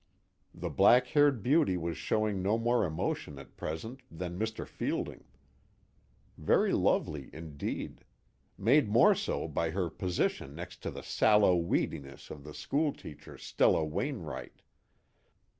The black haired beauty was showing no more emotion at present than Mr. Fielding. Very lovely indeed; made more so by her position next to the sallow weediness of the schoolteacher Stella Wainwright.